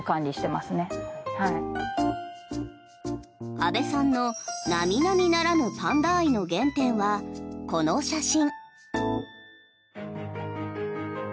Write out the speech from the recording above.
阿部さんの並々ならぬパンダ愛の原点はこの写真。